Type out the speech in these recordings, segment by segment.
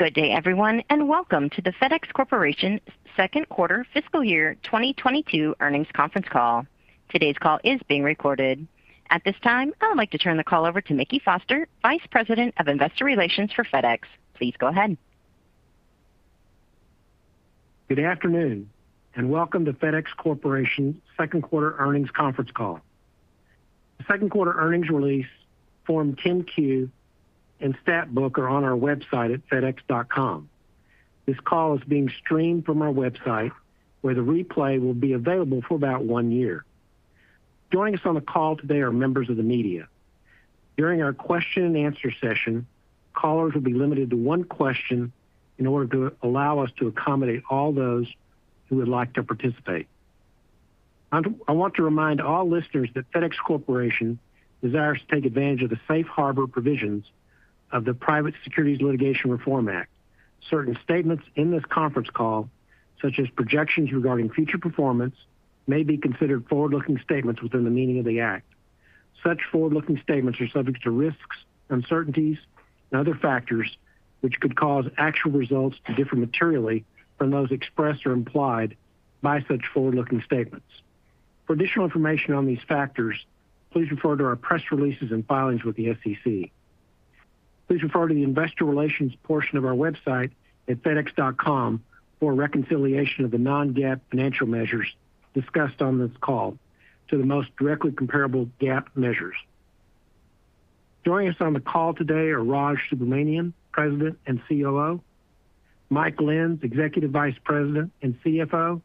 Good day everyone, and welcome to the FedEx Corporation second quarter fiscal year 2022 earnings conference call. Today's call is being recorded. At this time, I would like to turn the call over to Mickey Foster, Vice President of Investor Relations for FedEx. Please go ahead. Good afternoon and welcome to FedEx Corporation second quarter earnings conference call. The second quarter earnings release, Form 10-Q, and stat book are on our website at fedex.com. This call is being streamed from our website, where the replay will be available for about one year. Joining us on the call today are members of the media. During our question-and-answer session, callers will be limited to one question in order to allow us to accommodate all those who would like to participate. I want to remind all listeners that FedEx Corporation desires to take advantage of the safe harbor provisions of the Private Securities Litigation Reform Act. Certain statements in this conference call, such as projections regarding future performance, may be considered forward-looking statements within the meaning of the Act. Such forward-looking statements are subject to risks, uncertainties and other factors which could cause actual results to differ materially from those expressed or implied by such forward-looking statements. For additional information on these factors, please refer to our press releases and filings with the SEC. Please refer to the Investor Relations portion of our website at fedex.com for a reconciliation of the non-GAAP financial measures discussed on this call to the most directly comparable GAAP measures. Joining us on the call today are Raj Subramaniam, President and COO, Mike Lenz, Executive Vice President and CFO,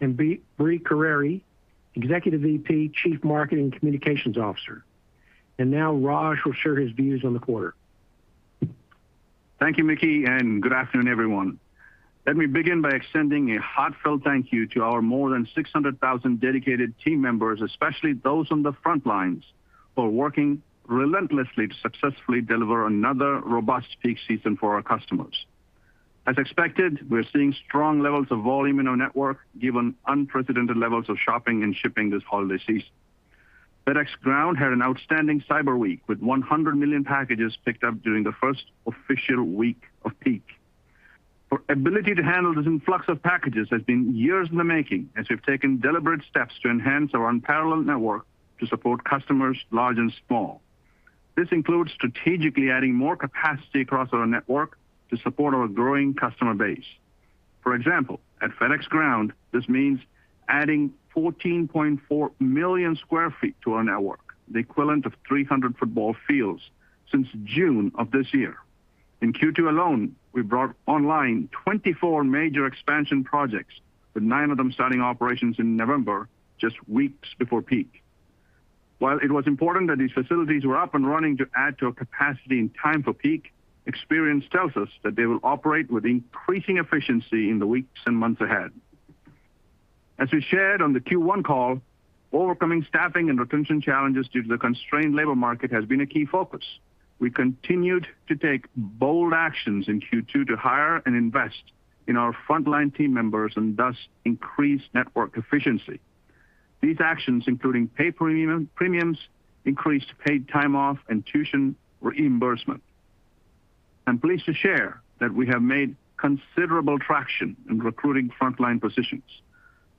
and Brie Carere, Executive VP, Chief Marketing Communications Officer. Now Raj will share his views on the quarter. Thank you, Mickey, and good afternoon, everyone. Let me begin by extending a heartfelt thank you to our more than 600,000 dedicated team members, especially those on the front lines who are working relentlessly to successfully deliver another robust peak season for our customers. As expected, we're seeing strong levels of volume in our network given unprecedented levels of shopping and shipping this holiday season. FedEx Ground had an outstanding cyber week with 100 million packages picked up during the first official week of peak. Our ability to handle this influx of packages has been years in the making as we've taken deliberate steps to enhance our unparalleled network to support customers large and small. This includes strategically adding more capacity across our network to support our growing customer base. For example, at FedEx Ground, this means adding 14.4 million sq ft to our network, the equivalent of 300 football fields since June of this year. In Q2 alone, we brought online 24 major expansion projects, with nine of them starting operations in November, just weeks before peak. While it was important that these facilities were up and running to add to our capacity in time for peak, experience tells us that they will operate with increasing efficiency in the weeks and months ahead. As we shared on the Q1 call, overcoming staffing and retention challenges due to the constrained labor market has been a key focus. We continued to take bold actions in Q2 to hire and invest in our frontline team members and thus increase network efficiency. These actions, including pay premiums, increased paid time off and tuition reimbursement. I'm pleased to share that we have made considerable traction in recruiting frontline positions.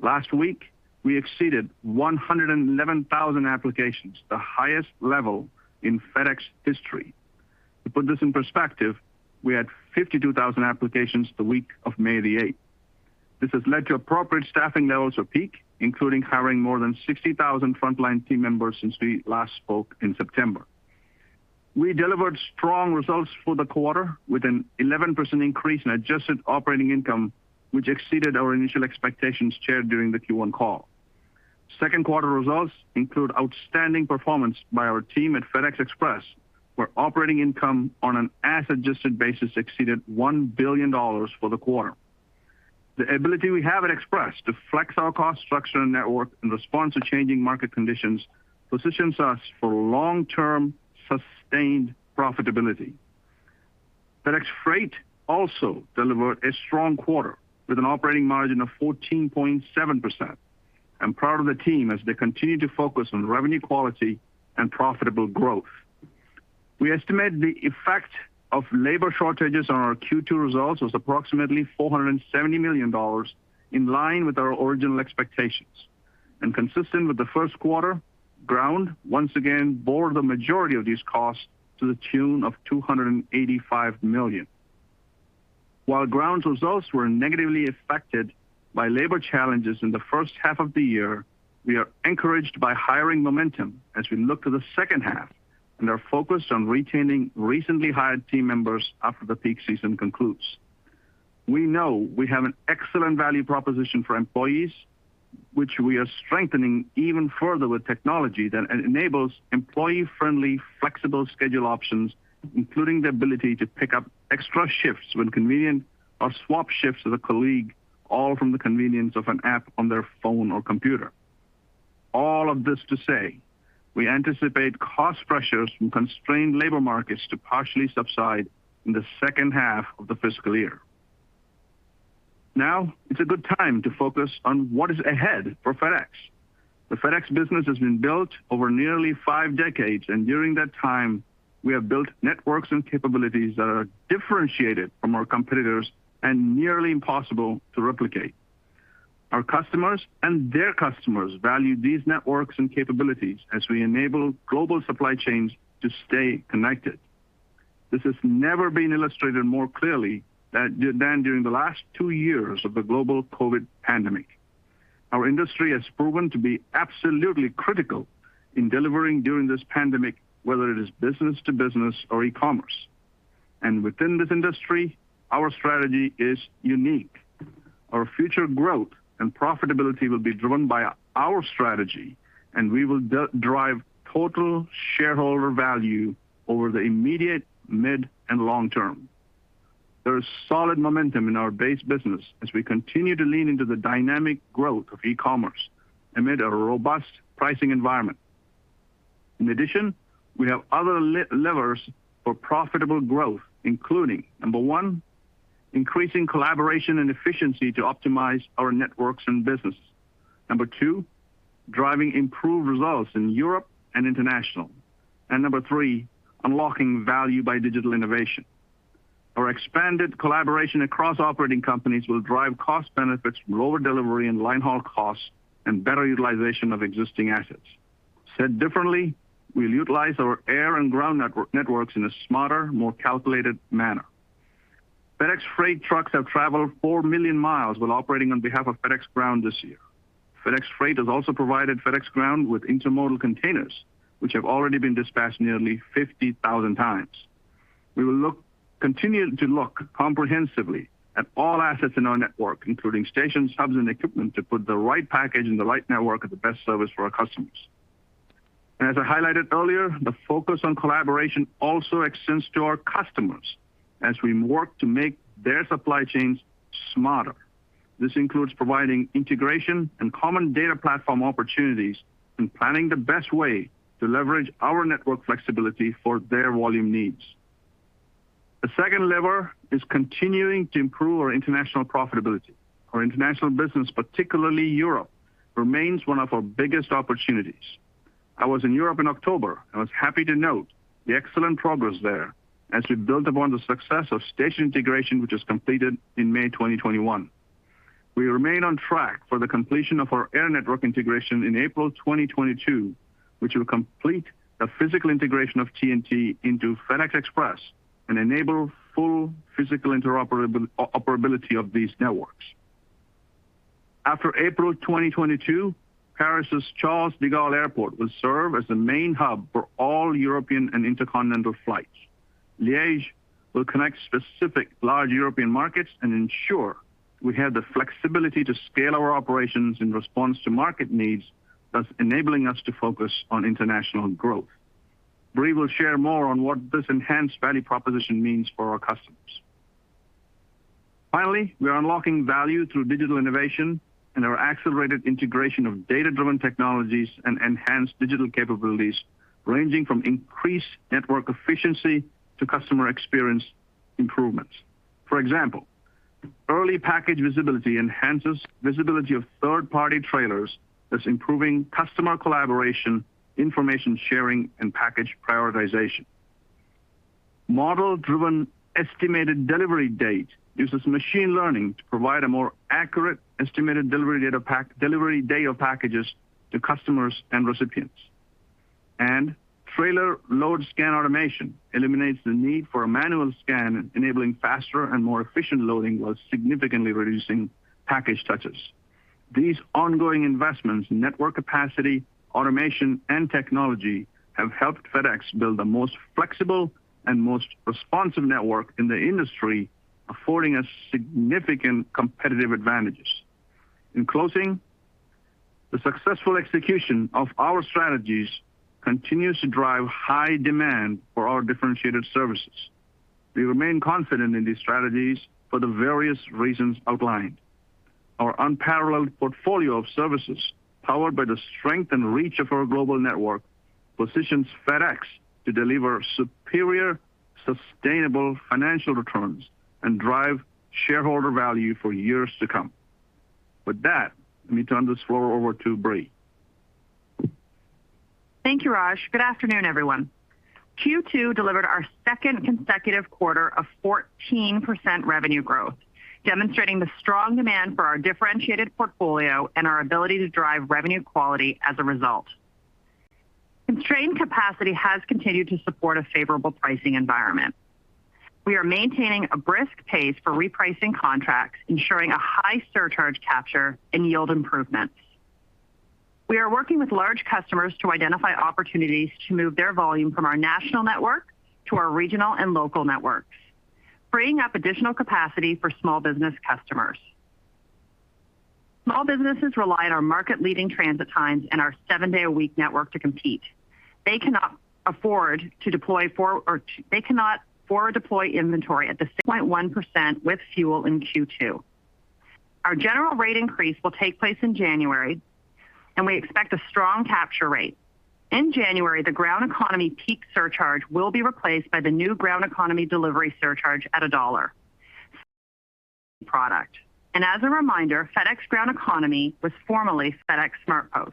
Last week we exceeded 111,000 applications, the highest level in FedEx history. To put this in perspective, we had 52,000 applications the week of May 8th, 2021. This has led to appropriate staffing levels for peak, including hiring more than 60,000 frontline team members since we last spoke in September. We delivered strong results for the quarter with an 11% increase in adjusted operating income, which exceeded our initial expectations shared during the Q1 call. Second quarter results include outstanding performance by our team at FedEx Express, where operating income on an as-adjusted basis exceeded $1 billion for the quarter. The ability we have at Express to flex our cost structure and network in response to changing market conditions positions us for long-term sustained profitability. FedEx Freight also delivered a strong quarter with an operating margin of 14.7%. I'm proud of the team as they continue to focus on revenue quality and profitable growth. We estimate the effect of labor shortages on our Q2 results was approximately $470 million in line with our original expectations. Consistent with the first quarter, Ground once again bore the majority of these costs to the tune of $285 million. While Ground's results were negatively affected by labor challenges in the first half of the year, we are encouraged by hiring momentum as we look to the second half and are focused on retaining recently hired team members after the peak season concludes. We know we have an excellent value proposition for employees, which we are strengthening even further with technology that enables employee-friendly, flexible schedule options, including the ability to pick up extra shifts when convenient or swap shifts with a colleague, all from the convenience of an app on their phone or computer. All of this to say, we anticipate cost pressures from constrained labor markets to partially subside in the second half of the fiscal year. Now, it's a good time to focus on what is ahead for FedEx. The FedEx business has been built over nearly five decades, and during that time, we have built networks and capabilities that are differentiated from our competitors and nearly impossible to replicate. Our customers and their customers value these networks and capabilities as we enable global supply chains to stay connected. This has never been illustrated more clearly than during the last two years of the global COVID pandemic. Our industry has proven to be absolutely critical in delivering during this pandemic, whether it is business to business or e-commerce. Within this industry, our strategy is unique. Our future growth and profitability will be driven by our strategy, and we will drive total shareholder value over the immediate mid and long term. There is solid momentum in our base business as we continue to lean into the dynamic growth of e-commerce amid a robust pricing environment. In addition, we have other levers for profitable growth, including number one, increasing collaboration and efficiency to optimize our networks and business. Number two, driving improved results in Europe and International. Number three, unlocking value by digital innovation. Our expanded collaboration across operating companies will drive cost benefits from lower delivery and line haul costs and better utilization of existing assets. Said differently, we'll utilize our air and ground networks in a smarter, more calculated manner. FedEx Freight trucks have traveled 4 million miles while operating on behalf of FedEx Ground this year. FedEx Freight has also provided FedEx Ground with intermodal containers, which have already been dispatched nearly 50,000 times. We will continue to look comprehensively at all assets in our network, including stations, hubs, and equipment to put the right package and the right network at the best service for our customers. As I highlighted earlier, the focus on collaboration also extends to our customers as we work to make their supply chains smarter. This includes providing integration and common data platform opportunities and planning the best way to leverage our network flexibility for their volume needs. The second lever is continuing to improve our International profitability. Our International business, particularly Europe, remains one of our biggest opportunities. I was in Europe in October and was happy to note the excellent progress there as we built upon the success of station integration, which was completed in May 2021. We remain on track for the completion of our air network integration in April 2022, which will complete the physical integration of TNT into FedEx Express and enable full physical interoperability of these networks. After April 2022, Paris' Charles de Gaulle Airport will serve as the main hub for all European and intercontinental flights. Liège will connect specific large European markets and ensure we have the flexibility to scale our operations in response to market needs, thus enabling us to focus on International growth. Brie will share more on what this enhanced value proposition means for our customers. Finally, we are unlocking value through digital innovation and our accelerated integration of data-driven technologies and enhanced digital capabilities ranging from increased network efficiency to customer experience improvements. For example, early package visibility enhances visibility of third-party trailers, thus improving customer collaboration, information sharing, and package prioritization. Model-driven estimated delivery date uses machine learning to provide a more accurate estimated delivery delivery day of packages to customers and recipients. Trailer load scan automation eliminates the need for a manual scan, enabling faster and more efficient loading while significantly reducing package touches. These ongoing investments in network capacity, automation, and technology have helped FedEx build the most flexible and most responsive network in the industry, affording us significant competitive advantages. In closing, the successful execution of our strategies continues to drive high demand for our differentiated services. We remain confident in these strategies for the various reasons outlined. Our unparalleled portfolio of services, powered by the strength and reach of our global network, positions FedEx to deliver superior, sustainable financial returns and drive shareholder value for years to come. With that, let me turn the floor over to Brie. Thank you, Raj. Good afternoon, everyone. Q2 delivered our second consecutive quarter of 14% revenue growth, demonstrating the strong demand for our differentiated portfolio and our ability to drive revenue quality as a result. Constrained capacity has continued to support a favorable pricing environment. We are maintaining a brisk pace for repricing contracts, ensuring a high surcharge capture and yield improvements. We are working with large customers to identify opportunities to move their volume from our national network to our regional and local networks, freeing up additional capacity for small business customers. Small businesses rely on our market-leading transit times and our seven-day-a-week network to compete. They cannot forward deploy inventory at the 0.1% with fuel in Q2. Our general rate increase will take place in January. We expect a strong capture rate. In January, the Ground Economy peak surcharge will be replaced by the new Ground Economy delivery surcharge at $1 per product. As a reminder, FedEx Ground Economy was formerly FedEx SmartPost.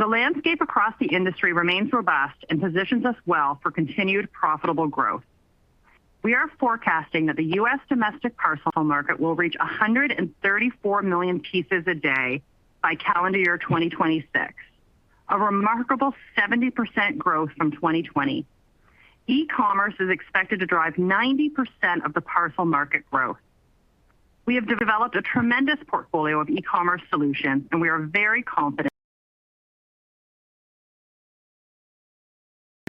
The landscape across the industry remains robust and positions us well for continued profitable growth. We are forecasting that the U.S. domestic parcel market will reach 134 million pieces a day by calendar year 2026. A remarkable 70% growth from 2020. E-commerce is expected to drive 90% of the parcel market growth. We have developed a tremendous portfolio of e-commerce solutions, and we are very confident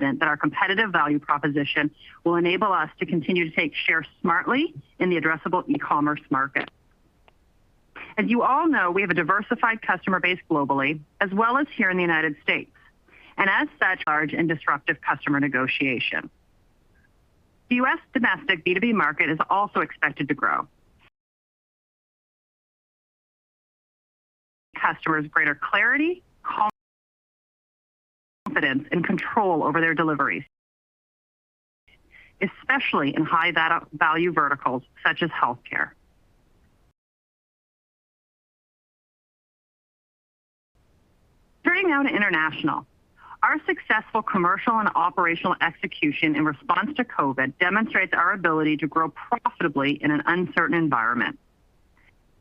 that our competitive value proposition will enable us to continue to take share smartly in the addressable e-commerce market. As you all know, we have a diversified customer base globally as well as here in the United States. As such, large and disruptive customer negotiation. The U.S. domestic B2B market is also expected to grow, providing customers greater clarity, confidence, and control over their deliveries, especially in high-value verticals such as healthcare. Turning now to International. Our successful commercial and operational execution in response to COVID demonstrates our ability to grow profitably in an uncertain environment.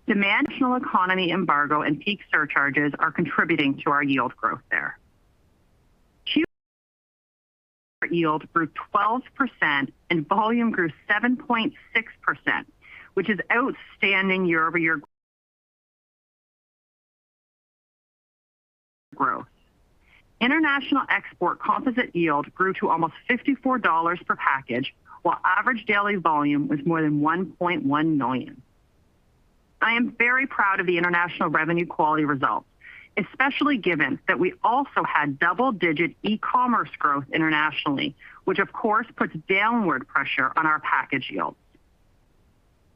Demand. International economy, embargo and peak surcharges are contributing to our yield growth there. International yield grew 12% and volume grew 7.6%, which is outstanding year-over-year growth. International export composite yield grew to almost $54 per package, while average daily volume was more than 1.1 million. I am very proud of the International revenue quality results, especially given that we also had double-digit e-commerce growth internationally, which of course puts downward pressure on our package yields.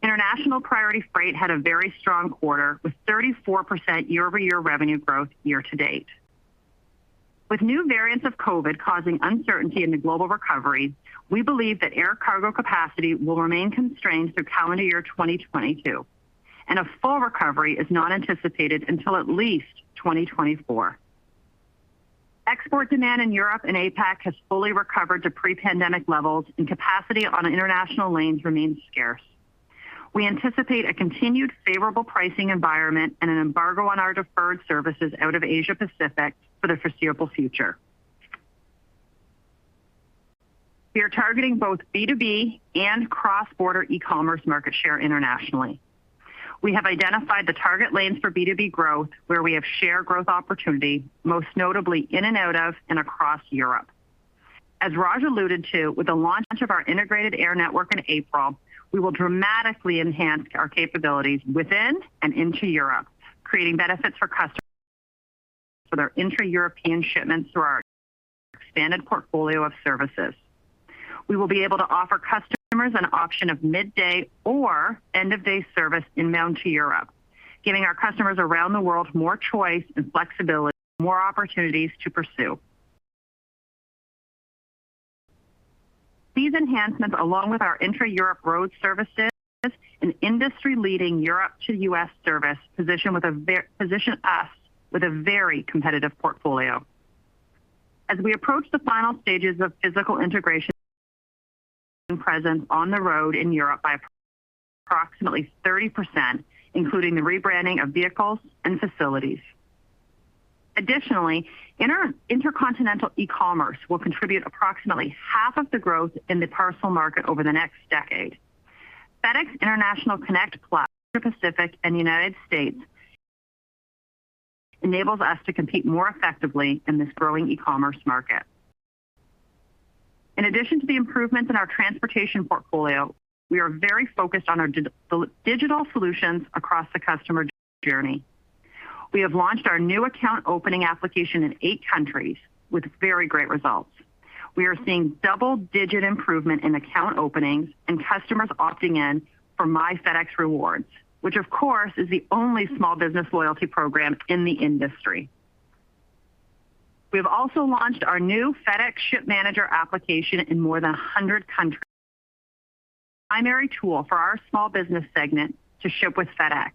International priority freight had a very strong quarter, with 34% year-over-year revenue growth year-to-date. With new variants of COVID causing uncertainty in the global recovery, we believe that air cargo capacity will remain constrained through calendar year 2022, and a full recovery is not anticipated until at least 2024. Export demand in Europe and APAC has fully recovered to pre-pandemic levels, and capacity on International lanes remains scarce. We anticipate a continued favorable pricing environment and an embargo on our deferred services out of Asia Pacific for the foreseeable future. We are targeting both B2B and cross-border e-commerce market share internationally. We have identified the target lanes for B2B growth, where we have share growth opportunity, most notably in and out of and across Europe. As Raj alluded to, with the launch of our integrated air network in April, we will dramatically enhance our capabilities within and into Europe, creating benefits for customers for their intra-European shipments through our expanded portfolio of services. We will be able to offer customers an option of midday or end-of-day service en route to Europe, giving our customers around the world more choice and flexibility, more opportunities to pursue. These enhancements, along with our intra-Europe road services and industry-leading Europe to U.S. service position us with a very competitive portfolio. As we approach the final stages of physical integration, reducing presence on the road in Europe by approximately 30%, including the rebranding of vehicles and facilities. Additionally, intercontinental e-commerce will contribute approximately half of the growth in the parcel market over the next decade. FedEx International Connect Plus to Asia Pacific and the United States enables us to compete more effectively in this growing e-commerce market. In addition to the improvements in our transportation portfolio, we are very focused on our digital solutions across the customer journey. We have launched our new account opening application in eight countries with very great results. We are seeing double-digit improvement in account openings and customers opting in for My FedEx Rewards, which of course is the only small business loyalty program in the industry. We have also launched our new FedEx Ship Manager application in more than 100 countries. Primary tool for our small business segment to ship with FedEx.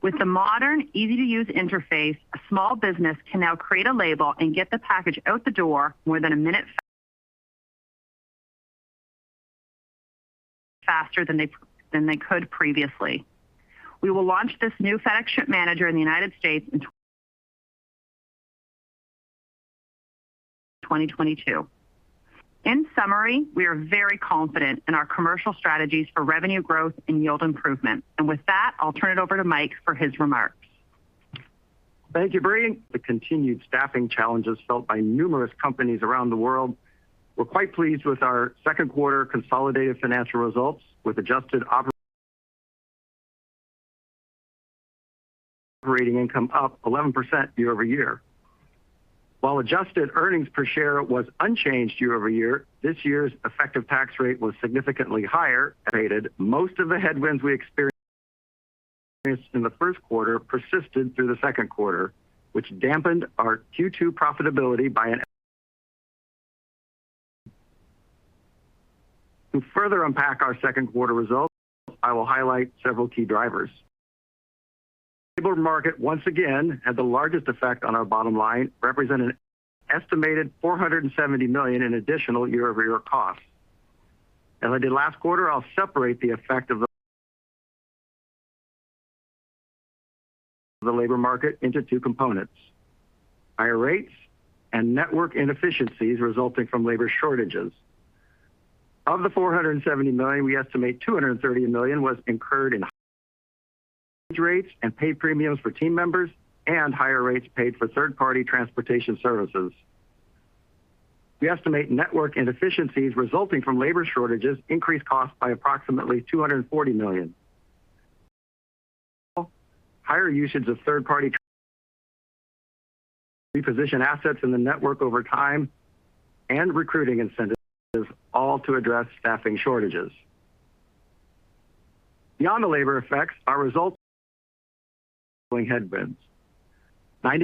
With the modern, easy-to-use interface, a small business can now create a label and get the package out the door more than a minute faster than they could previously. We will launch this new FedEx Ship Manager in the United States in 2022. In summary, we are very confident in our commercial strategies for revenue growth and yield improvement. With that, I'll turn it over to Mike for his remarks. Thank you, Brie. The continued staffing challenges felt by numerous companies around the world. We're quite pleased with our second quarter consolidated financial results with adjusted operating income up 11% year-over-year. While adjusted earnings per share was unchanged year-over-year, this year's effective tax rate was significantly higher. Most of the headwinds we experienced in the first quarter persisted through the second quarter, which dampened our Q2 profitability. To further unpack our second quarter results, I will highlight several key drivers. Labor market once again had the largest effect on our bottom line, representing an estimated $470 million in additional year-over-year costs. Like the last quarter, I'll separate the effect of the labor market into two components: higher rates and network inefficiencies resulting from labor shortages. Of the $470 million, we estimate $230 million was incurred in wage rates and paid premiums for team members and higher rates paid for third-party transportation services. We estimate network inefficiencies resulting from labor shortages increased costs by approximately $240 million. Higher usage of third-party reposition assets in the network over time and recruiting incentives, all to address staffing shortages. Beyond the labor effects, headwinds. $90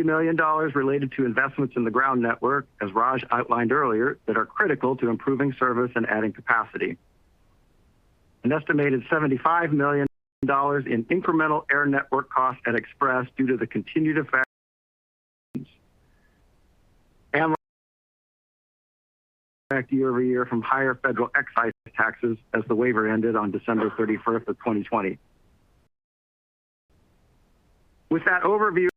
million related to investments in the ground network, as Raj outlined earlier, that are critical to improving service and adding capacity. An estimated $75 million in incremental air network costs at Express due to the continued effect year-over-year from higher federal excise taxes as the waiver ended on December 31st, 2020. With that overview,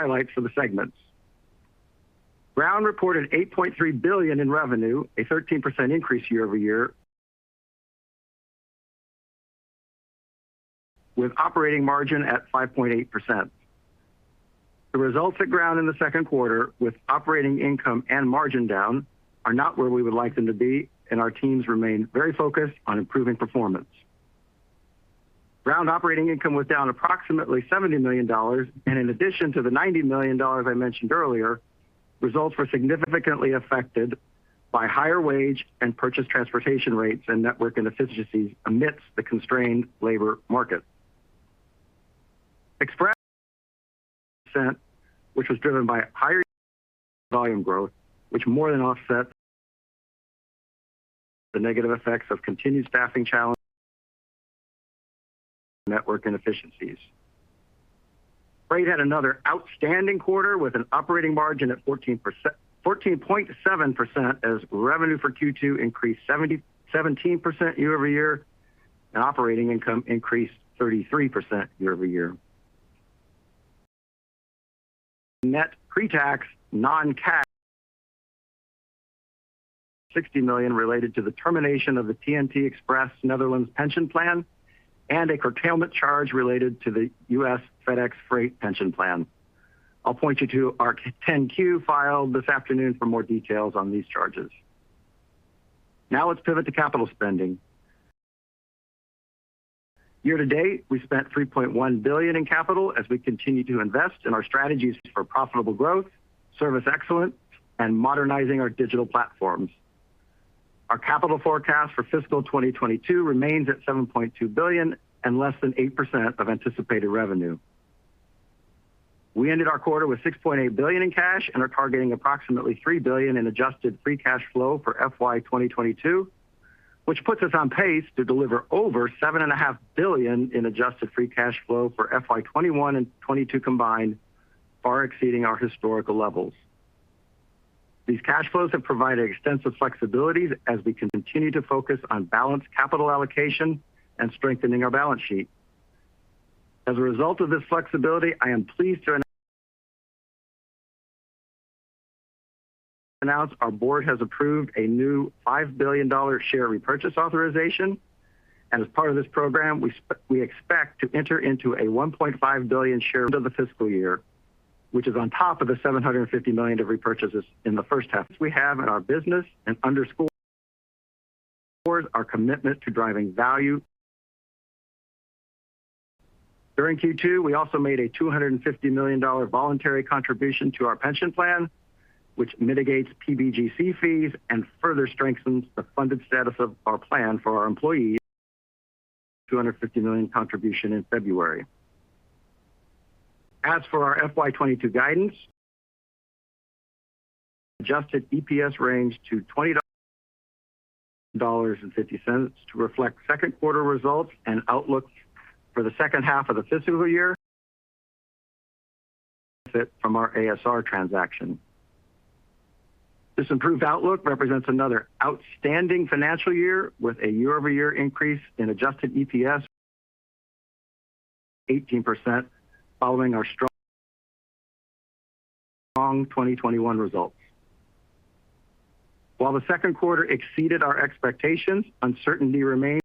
highlights for the segments. Ground reported $8.3 billion in revenue, a 13% increase year-over-year with operating margin at 5.8%. The results at Ground in the second quarter, with operating income and margin down, are not where we would like them to be, and our teams remain very focused on improving performance. Ground operating income was down approximately $70 million, and in addition to the $90 million I mentioned earlier, results were significantly affected by higher wage and purchase transportation rates and network inefficiencies amidst the constrained labor market. Express adjusted operating income, which was driven by higher volume growth, which more than offset the negative effects of continued staffing challenges, network inefficiencies. Freight had another outstanding quarter with an operating margin at 14.7% as revenue for Q2 increased 77% year-over-year, and operating income increased 33% year-over-year. Net pre-tax non-cash $60 million related to the termination of the TNT Express Netherlands pension plan and a curtailment charge related to the U.S. FedEx Freight pension plan. I'll point you to our 10-Q filed this afternoon for more details on these charges. Now let's pivot to capital spending. Year-to-date, we spent $3.1 billion in capital as we continue to invest in our strategies for profitable growth, service excellence, and modernizing our digital platforms. Our capital forecast for fiscal 2022 remains at $7.2 billion and less than 8% of anticipated revenue. We ended our quarter with $6.8 billion in cash and are targeting approximately $3 billion in adjusted free cash flow for FY 2022, which puts us on pace to deliver over $7.5 billion in adjusted free cash flow for FY 2021 and 2022 combined, far exceeding our historical levels. These cash flows have provided extensive flexibility as we continue to focus on balanced capital allocation and strengthening our balance sheet. As a result of this flexibility, I am pleased to announce our Board has approved a new $5 billion share repurchase authorization. As part of this program, we expect to enter into a $1.5 billion share repurchase agreement in the second half of the fiscal year, which is on top of the $750 million of repurchases in the first half. This reflects the strength we have in our business and underscores our commitment to driving value. During Q2, we also made a $250 million voluntary contribution to our pension plan, which mitigates PBGC fees and further strengthens the funded status of our plan for our employees. $250 million contribution in February. As for our FY 2022 guidance, adjusted EPS range to $20.50 to reflect second quarter results and outlook for the second half of the fiscal year from our ASR transaction. This improved outlook represents another outstanding financial year with a year-over-year increase in adjusted EPS 18% following our strong 2021 results. While the second quarter exceeded our expectations, uncertainty remains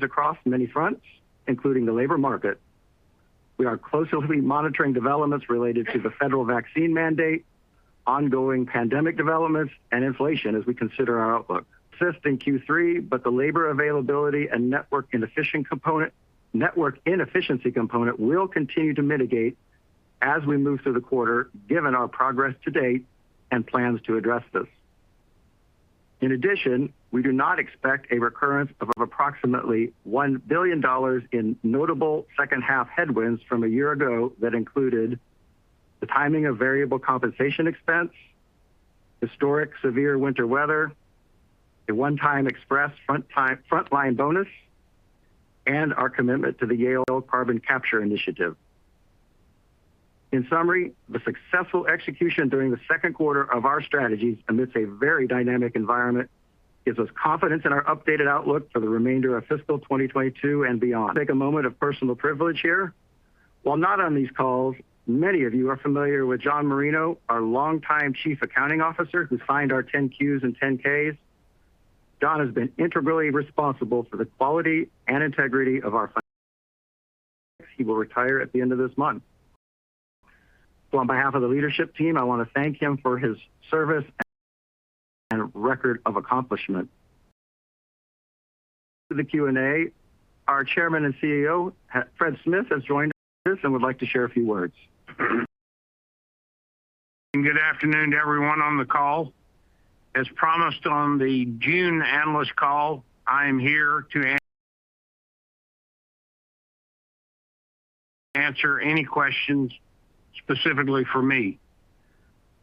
across many fronts, including the labor market. We are closely monitoring developments related to the federal vaccine mandate, ongoing pandemic developments, and inflation as we consider our outlook. First in Q3, but the labor availability and network inefficiency component will continue to mitigate as we move through the quarter, given our progress to date and plans to address this. In addition, we do not expect a recurrence of approximately $1 billion in notable second half headwinds from a year ago that included the timing of variable compensation expense, historic severe winter weather, a one-time express frontline bonus, and our commitment to the Yale Carbon Capture Initiative. In summary, the successful execution during the second quarter of our strategies amidst a very dynamic environment gives us confidence in our updated outlook for the remainder of fiscal 2022 and beyond. Take a moment of personal privilege here. While not on these calls, many of you are familiar with John Merino, our longtime Chief Accounting Officer who signed our 10-Qs and 10-Ks. John has been integrally responsible for the quality and integrity of our finance. He will retire at the end of this month. On behalf of the leadership team, I want to thank him for his service and record of accomplishment. To the Q&A. Our Chairman and CEO, Fred Smith, has joined us and would like to share a few words. Good afternoon to everyone on the call. As promised on the June analyst call, I am here to answer any questions specifically for me.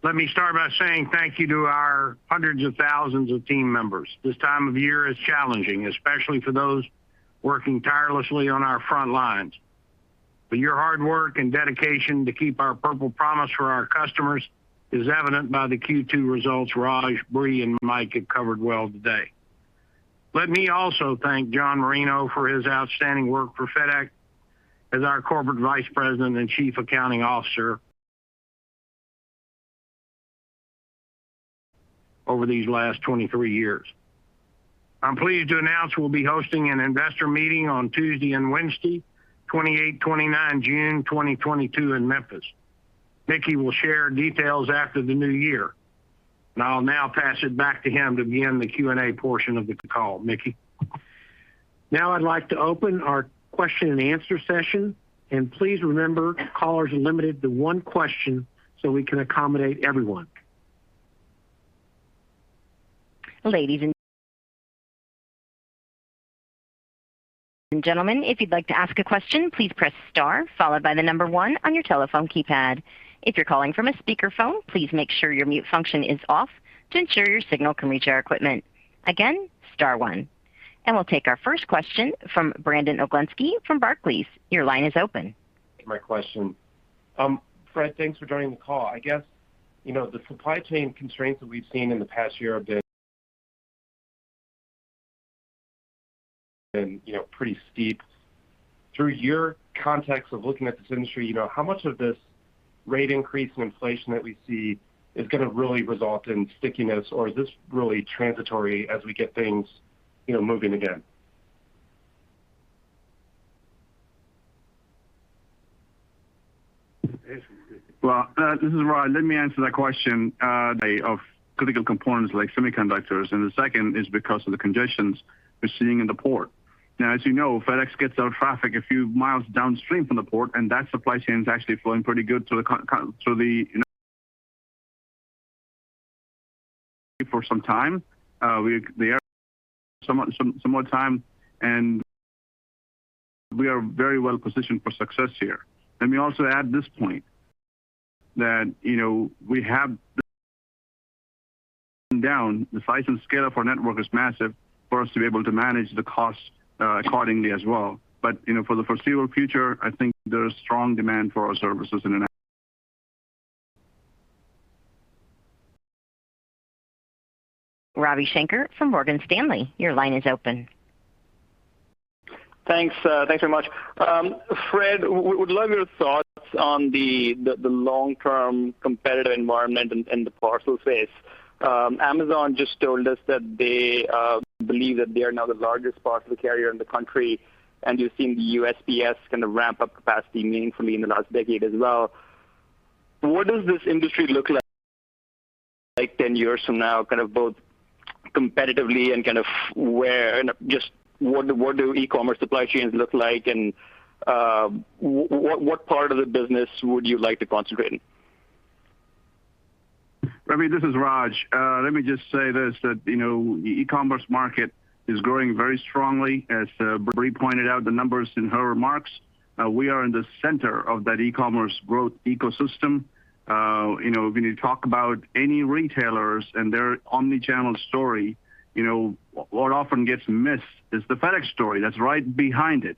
Let me start by saying thank you to our hundreds of thousands of team members. This time of year is challenging, especially for those working tirelessly on our front lines. Your hard work and dedication to keep our purple promise for our customers is evident by the Q2 results Raj, Bree, and Mike have covered well today. Let me also thank John Merino for his outstanding work for FedEx as our Corporate Vice President and Chief Accounting Officer over these last 23 years. I'm pleased to announce we'll be hosting an investor meeting on Tuesday and Wednesday, 28, 29 June 2022 in Memphis. Mickey will share details after the new year. I'll now pass it back to him to begin the Q&A portion of the call. Mickey. Now I'd like to open our question-and-answer session, and please remember, callers are limited to one question, so we can accommodate everyone. Ladies and gentlemen, if you'd like to ask a question, please press star followed by the number one on your telephone keypad. If you're calling from a speaker phone, please make sure your mute function is off to ensure your signal can reach our equipment. Again, star one. We'll take our first question from Brandon Oglenski from Barclays. Your line is open. My question. Fred, thanks for joining the call. I guess, you know, the supply chain constraints that we've seen in the past year have been, you know, pretty steep. Through your context of looking at this industry, you know, how much of this rate increase in inflation that we see is gonna really result in stickiness? Or is this really transitory as we get things, you know, moving again? Well, this is Raj. Let me answer that question. The first is of critical components like semiconductors, and the second is because of the congestion we're seeing in the port. Now, as you know, FedEx gets our traffic a few miles downstream from the port, and that supply chain is actually flowing pretty good through the, you know, for some time and we are very well positioned for success here. Let me also add this point that, you know, we have the size and scale of our network is massive for us to be able to manage the cost accordingly as well. You know, for the foreseeable future, I think there is strong demand for our services in the net- Ravi Shanker from Morgan Stanley. Your line is open. Thanks. Thanks very much. Fred, would love your thoughts on the long-term competitive environment in the parcel space. Amazon just told us that they believe that they are now the largest parcel carrier in the country, and you're seeing the USPS ramp up capacity meaningfully in the last decade as well. What does this industry look like 10 years from now, both competitively and kind of where e-commerce supply chains look like and what part of the business would you like to concentrate in? Ravi, this is Raj. Let me just say this, that, you know, the e-commerce market is growing very strongly. As Brie pointed out the numbers in her remarks, we are in the center of that e-commerce growth ecosystem. You know, when you talk about any retailers and their omni-channel story, you know, what often gets missed is the FedEx story that's right behind it.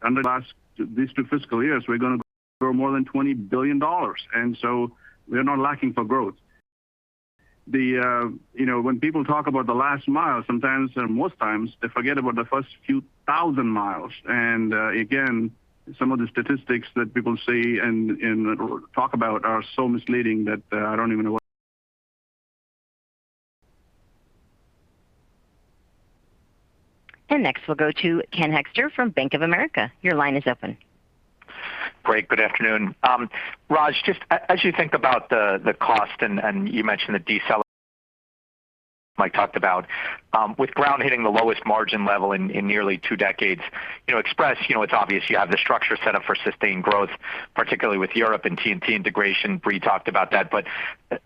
These two fiscal years, we're gonna grow more than $20 billion. We're not lacking for growth. You know, when people talk about the last mile, sometimes or most times they forget about the first few thousand miles. Again, some of the statistics that people see and talk about are so misleading that I don't even know where- Next we'll go to Ken Hoexter from Bank of America. Your line is open. Great. Good afternoon. Raj, just as you think about the cost and you mentioned that Mike talked about with Ground hitting the lowest margin level in nearly two decades. You know Express, you know, it's obvious you have the structure set up for sustained growth, particularly with Europe and TNT integration. Brie talked about that.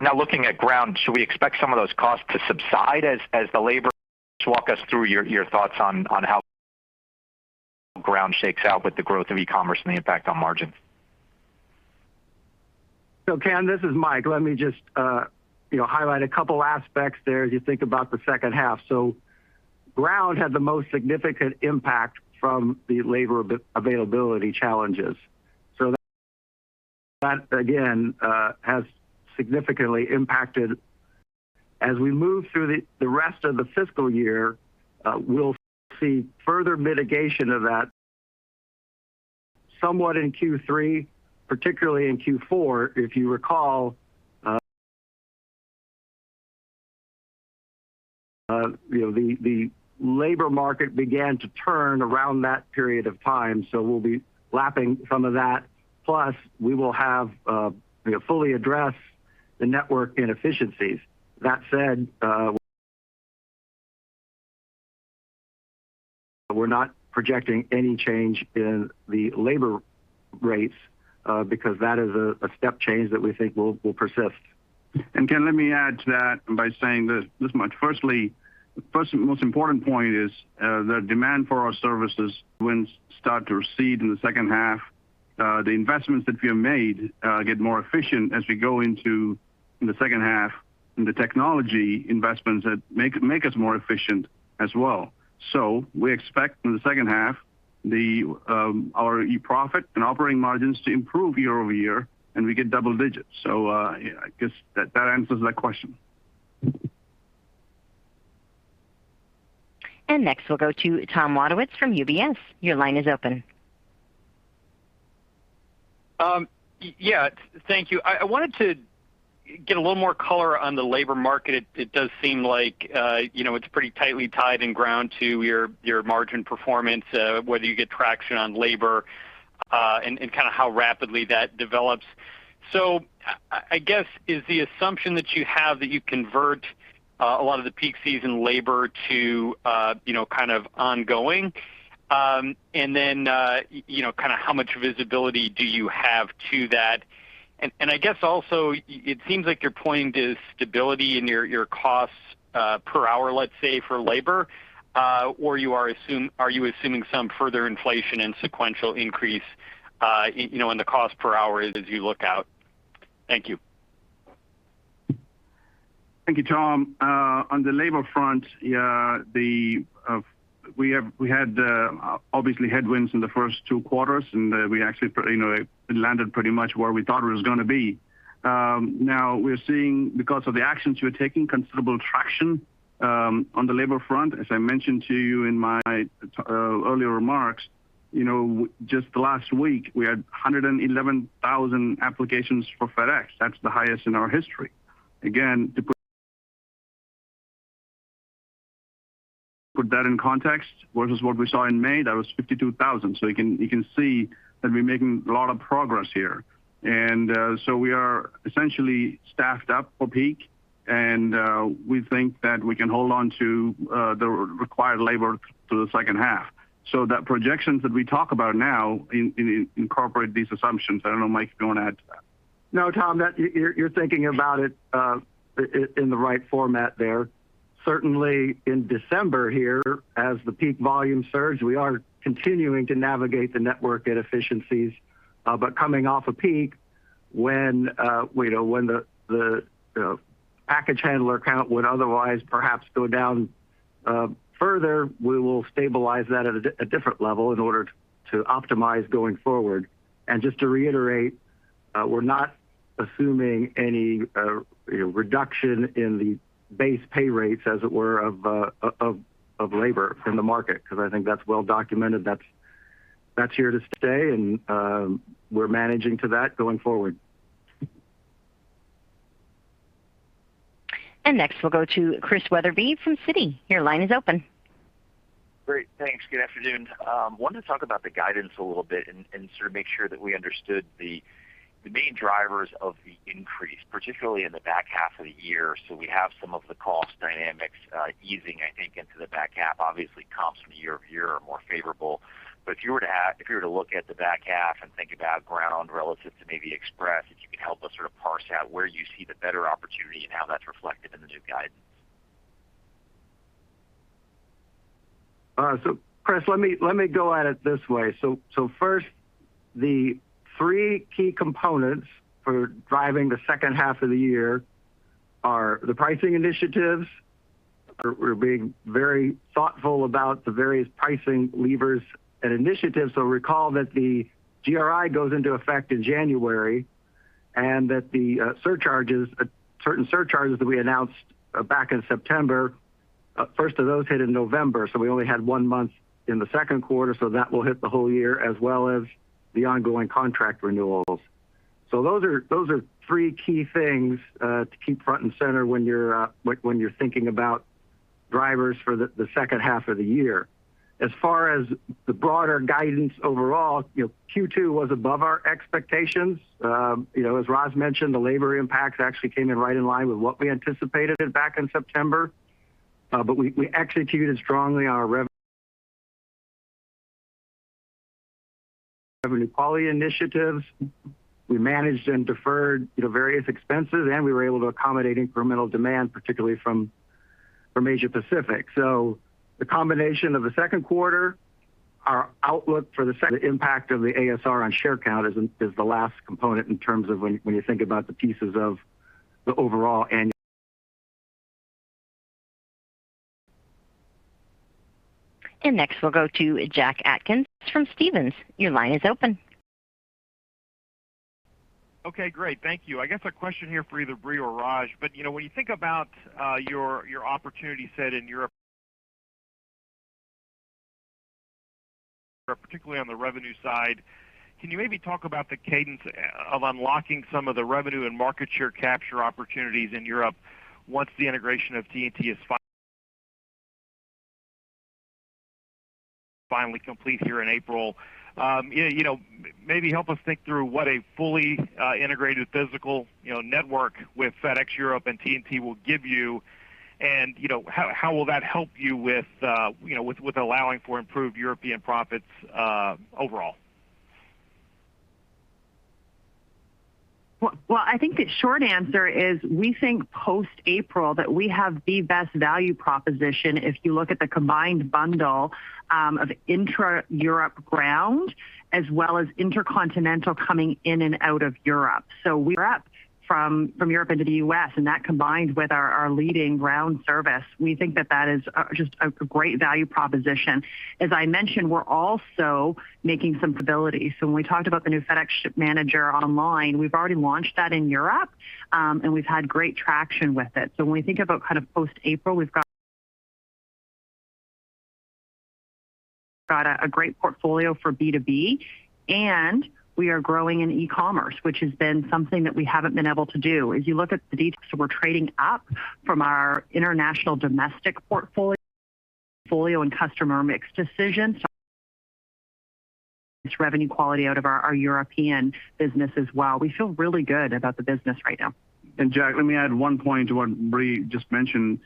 Now looking at Ground, should we expect some of those costs to subside. Walk us through your thoughts on how Ground shakes out with the growth of e-commerce and the impact on margins. Ken, this is Mike. Let me just, you know, highlight a couple aspects there as you think about the second half. Ground had the most significant impact from the labor availability challenges. That again has significantly impacted. As we move through the rest of the fiscal year, we'll see further mitigation of that somewhat in Q3, particularly in Q4. If you recall, you know, the labor market began to turn around that period of time, so we'll be lapping some of that. Plus we will have, you know, fully address the network inefficiencies. That said, we're not projecting any change in the labor rates, because that is a step change that we think will persist. Ken, let me add to that by saying this much. First and most important point is, the demand for our services wouldn't start to recede in the second half. The investments that we have made get more efficient as we go into the second half, and the technology investments that make us more efficient as well. We expect in the second half our profit and operating margins to improve year-over-year, and we get double digits. Yeah, I guess that answers that question. Next we'll go to Tom Wadewitz from UBS. Your line is open. Yeah. Thank you. I wanted to get a little more color on the labor market. It does seem like, you know, it's pretty tightly tied in Ground to your margin performance, whether you get traction on labor and kind of how rapidly that develops. I guess, is the assumption that you have that you convert a lot of the peak season labor to, you know, kind of ongoing. And then, you know, kind of how much visibility do you have to that? And I guess also it seems like you're pointing to stability in your costs per hour, let's say, for labor. Or are you assuming some further inflation and sequential increase, you know, in the cost per hour as you look out? Thank you. Thank you, Tom. On the labor front, yeah, we had obviously headwinds in the first two quarters, and we actually you know, it landed pretty much where we thought it was gonna be. Now we're seeing because of the actions we're taking considerable traction on the labor front. As I mentioned to you in my earlier remarks, you know, just the last week we had 111,000 applications for FedEx. That's the highest in our history. Again, to put that in context versus what we saw in May, that was 52,000. So you can see that we're making a lot of progress here. We are essentially staffed up for peak, and we think that we can hold on to the required labor through the second half. That projections that we talk about now incorporate these assumptions. I don't know, Mike, if you wanna add to that. No, Tom, that you're thinking about it in the right format there. Certainly in December here, as the peak volume surge, we are continuing to navigate the network inefficiencies. But coming off a peak, we know the package handler count would otherwise perhaps go down further, we will stabilize that at a different level in order to optimize going forward. Just to reiterate, we're not assuming any reduction in the base pay rates as it were of labor in the market, because I think that's well documented. That's here to stay, and we're managing to that going forward. Next we'll go to Chris Wetherbee from Citi. Your line is open. Great. Thanks. Good afternoon. Wanted to talk about the guidance a little bit and sort of make sure that we understood the main drivers of the increase, particularly in the back half of the year. We have some of the cost dynamics easing, I think, into the back half. Obviously comps from year-over-year are more favorable. If you were to look at the back half and think about Ground relative to maybe Express, if you could help us sort of parse out where you see the better opportunity and how that's reflected in the new guidance. Chris, let me go at it this way. First, the three key components for driving the second half of the year are the pricing initiatives. We're being very thoughtful about the various pricing levers and initiatives. Recall that the GRI goes into effect in January, and that the surcharges, certain surcharges that we announced back in September, first of those hit in November, so we only had one month in the second quarter, so that will hit the whole year as well as the ongoing contract renewals. Those are three key things to keep front and center when you're thinking about drivers for the second half of the year. As far as the broader guidance overall, you know, Q2 was above our expectations. You know, as Raj mentioned, the labor impacts actually came in right in line with what we anticipated back in September. But we executed strongly on our revenue quality initiatives. We managed and deferred, you know, various expenses, and we were able to accommodate incremental demand, particularly from Asia-Pacific. The combination of the second quarter, our outlook for the impact of the ASR on share count is the last component in terms of when you think about the pieces of the overall annual. Next, we'll go to Jack Atkins from Stephens. Your line is open. Okay, great. Thank you. I guess a question here for either Brie or Raj. You know, when you think about your opportunity set in Europe, particularly on the revenue side, can you maybe talk about the cadence of unlocking some of the revenue and market share capture opportunities in Europe once the integration of TNT is finally complete here in April? You know, maybe help us think through what a fully integrated physical network with FedEx Europe and TNT will give you. You know, how will that help you with allowing for improved European profits overall? Well, I think the short answer is we think post-April that we have the best value proposition if you look at the combined bundle of intra-Europe Ground as well as intercontinental coming in and out of Europe. We're up from Europe into the U.S., and that combined with our leading Ground service, we think that is just a great value proposition. As I mentioned, we're also making some stability. When we talked about the new FedEx Ship Manager online, we've already launched that in Europe, and we've had great traction with it. When we think about kind of post-April, we've got a great portfolio for B2B, and we are growing in e-commerce, which has been something that we haven't been able to do. We're trading up from our International domestic portfolio and customer mix decisions. It's revenue quality out of our European business as well. We feel really good about the business right now. Jack, let me add one point to what Brie just mentioned.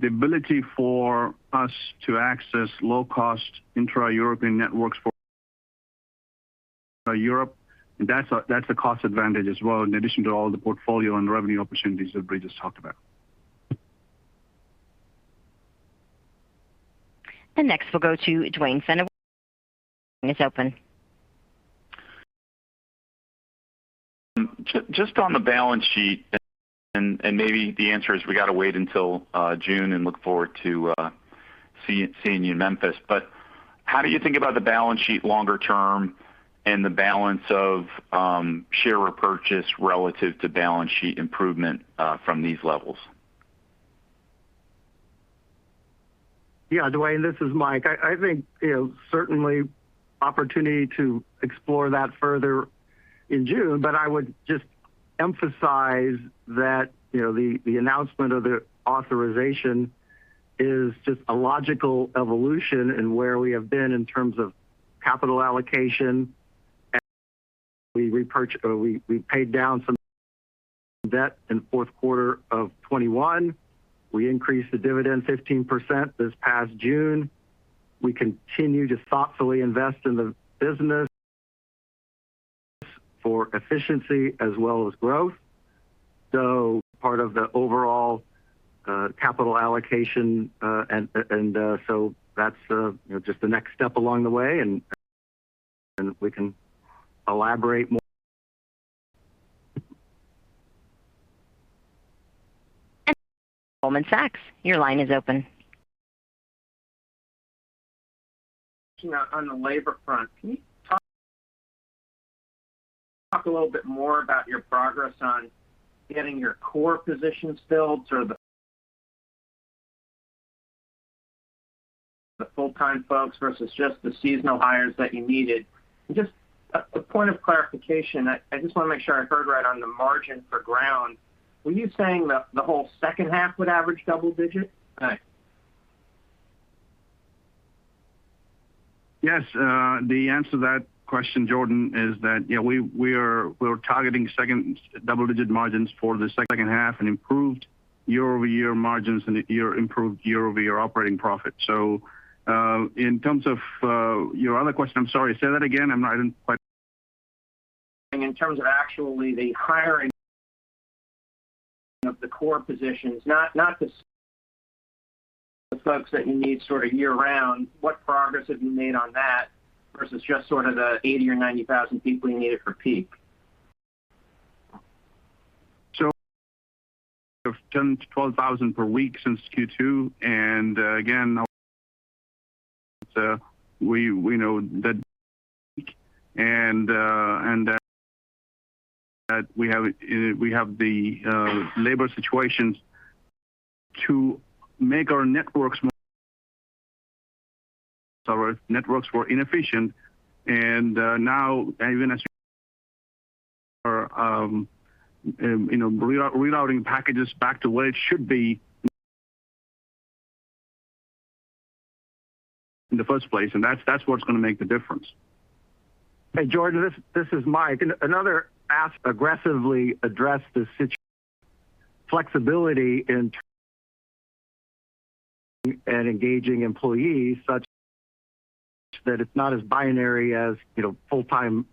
The ability for us to access low-cost intra-European networks for Europe, and that's a cost advantage as well, in addition to all the portfolio and the revenue opportunities that Brie just talked about. Next, we'll go to Duane Pfennigwerth with Evercore ISI. Your line is open. Just on the balance sheet, and maybe the answer is we gotta wait until June and look forward to seeing you in Memphis. How do you think about the balance sheet longer term and the balance of share repurchase relative to balance sheet improvement from these levels? Yeah. Duane, this is Mike. I think you know certainly an opportunity to explore that further in June, but I would just emphasize that you know the announcement of the authorization is just a logical evolution in where we have been in terms of capital allocation. We paid down some debt in the fourth quarter of 2021. We increased the dividend 15% this past June. We continue to thoughtfully invest in the business for efficiency as well as growth. Part of the overall capital allocation and that's you know just the next step along the way, and we can elaborate more. Next is Jordan Alliger from Goldman Sachs. Your line is open. On the labor front, can you talk a little bit more about your progress on getting your core positions filled, sort of the full-time folks versus just the seasonal hires that you needed? Just a point of clarification. I just wanna make sure I heard right on the margin for Ground. Were you saying the whole second half would average double digit? Thanks. Yes. The answer to that question, Jordan, is that, you know, we're targeting double-digit margins for the second half and improved year-over-year margins and improved year-over-year operating profit. In terms of your other question, I'm sorry. Say that again. I didn't quite. In terms of actually the hiring of the core positions, not just the folks that you need sorta year-round. What progress have you made on that versus just sort of the 80,000 or 90,000 people you needed for peak? 10,000-12,000 per week since Q2. Again, we know that we have the labor situations to make our networks more- Our networks were inefficient, and now even as we are, you know, re-routing packages back to where it should be in the first place, and that's what's gonna make the difference. Hey, Jordan, this is Mike. Another aggressively address the situation flexibility in engaging employees such that it's not as binary as, you know, full-time,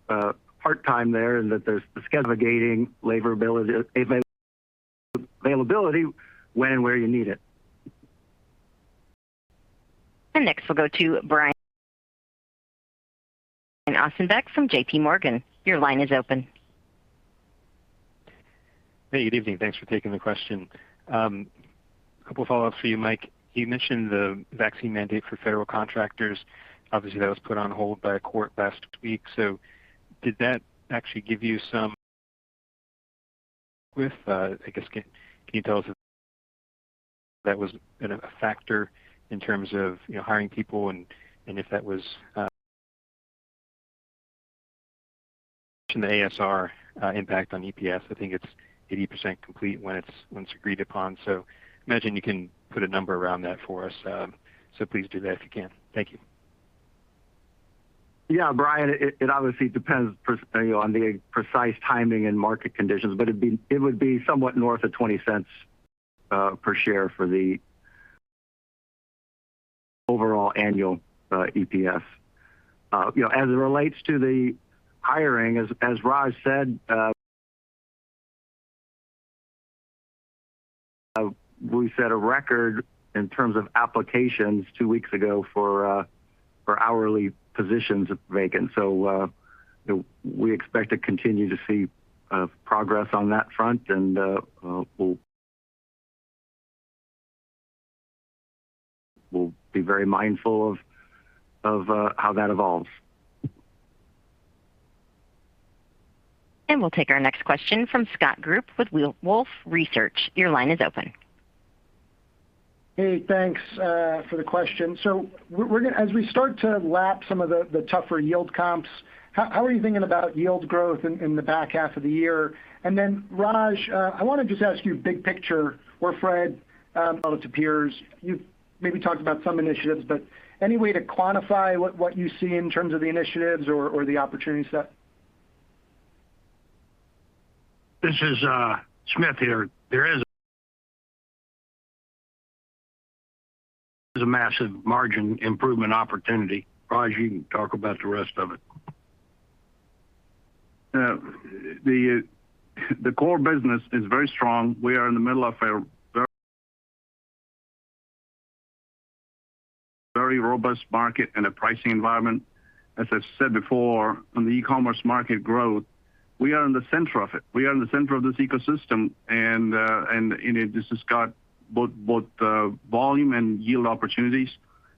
part-time, and that there's the schedule of gaining labor availability when and where you need it. Next, we'll go to Brian Ossenbeck from JPMorgan. Your line is open. Hey, good evening. Thanks for taking the question. A couple follow-ups for you, Mike. You mentioned the vaccine mandate for federal contractors. Obviously, that was put on hold by a court last week. Did that actually give you some with? Can you tell us if that was a factor in terms of, you know, hiring people and if that was. The ASR impact on EPS, I think it's 80% complete when it's agreed upon. I imagine you can put a number around that for us, so please do that if you can. Thank you. Yeah, Brian, it obviously depends, you know, on the precise timing and market conditions, but it would be somewhat north of $0.20 per share for the overall annual EPS. You know, as it relates to the hiring, as Raj said, we set a record in terms of applications two weeks ago for hourly positions vacant. You know, we expect to continue to see progress on that front, and we'll be very mindful of how that evolves. We'll take our next question from Scott Group with Wolfe Research. Your line is open. Hey, thanks for the question. As we start to lap some of the tougher yield comps, how are you thinking about yield growth in the back half of the year? Raj, I wanna just ask you big picture or Fred, it appears you've maybe talked about some initiatives, but any way to quantify what you see in terms of the initiatives or the opportunities that- This is Smith here. There is a massive margin improvement opportunity. Raj, you can talk about the rest of it. The core business is very strong. We are in the middle of a very, very robust market and a pricing environment. As I've said before, on the e-commerce market growth, we are in the center of it. We are in the center of this ecosystem, and in it, this has got both volume and yield opportunities.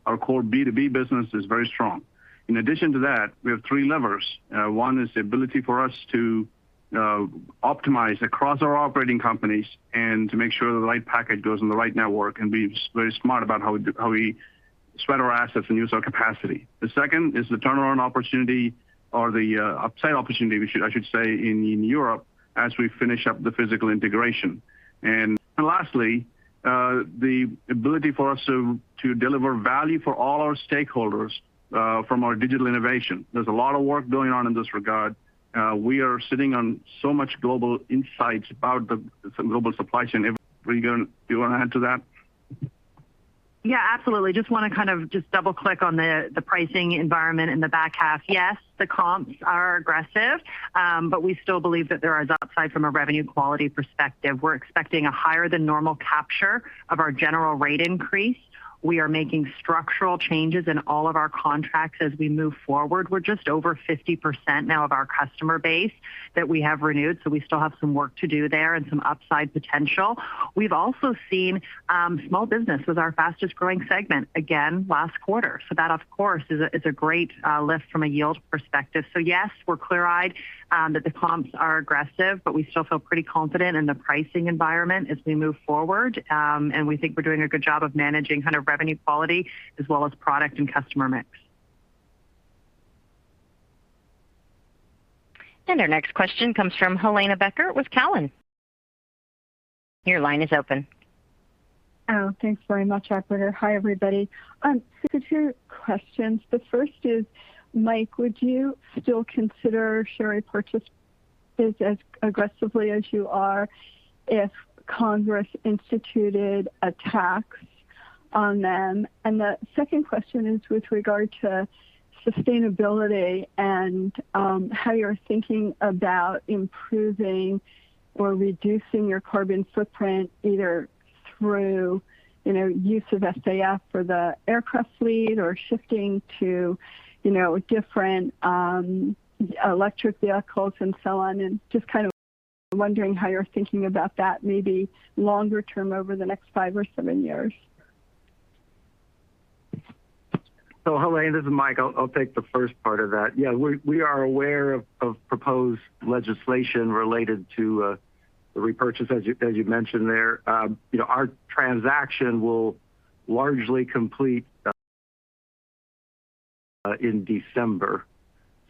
Our core B2B business is very strong. In addition to that, we have three levers. One is the ability for us to optimize across our operating companies and to make sure the right package goes on the right network and be very smart about how we spread our assets and use our capacity. The second is the turnaround opportunity or the upside opportunity, I should say, in Europe as we finish up the physical integration. Lastly, the ability for us to deliver value for all our stakeholders from our digital innovation. There's a lot of work going on in this regard. We are sitting on so much global insights about the global supply chain. Brie, do you wanna add to that? Yeah, absolutely. Just wanna kind of just double-click on the pricing environment in the back half. Yes, the comps are aggressive, but we still believe that there is upside from a revenue quality perspective. We're expecting a higher than normal capture of our general rate increase. We are making structural changes in all of our contracts as we move forward. We're just over 50% now of our customer base that we have renewed, so we still have some work to do there and some upside potential. We've also seen small business as our fastest-growing segment again last quarter. That, of course, is a great lift from a yield perspective. Yes, we're clear-eyed that the comps are aggressive, but we still feel pretty confident in the pricing environment as we move forward. We think we're doing a good job of managing kind of revenue quality as well as product and customer mix. Our next question comes from Helane Becker with Cowen. Your line is open. Oh, thanks very much, operator. Hi, everybody. Two questions. The first is, Mike, would you still consider share repurchase as aggressively as you are if Congress instituted a tax on them? The second question is with regard to sustainability and how you're thinking about improving or reducing your carbon footprint, either through, you know, use of SAF for the aircraft fleet or shifting to, you know, different electric vehicles and so on. Just kind of wondering how you're thinking about that, maybe longer term over the next five or seven years. Helane, this is Mike. I'll take the first part of that. Yeah, we are aware of proposed legislation related to the repurchase, as you mentioned there, you know, our transaction will largely complete in December,